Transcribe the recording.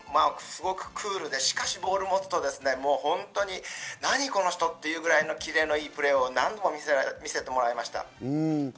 表情はすごくクールで、しかしボールを持つと何、この人？っていうくらい、キレのいいプレーを何度も見せてもらいました。